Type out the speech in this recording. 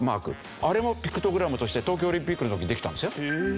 あれもピクトグラムとして東京オリンピックの時にできたんですよ。